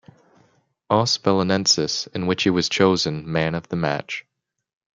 Os Belenenses, in which he was chosen "Man of the match".